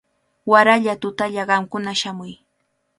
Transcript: Waraqa tutalla qamkuna shamuy.